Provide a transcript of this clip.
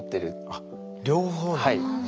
あっ両方だ。